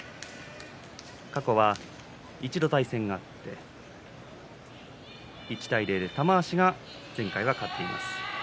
過去は一度、対戦があって１対０で玉鷲が前回は勝っています。